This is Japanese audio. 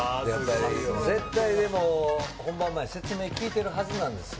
絶対でも、本番前、説明聞いてるはずなんですよ。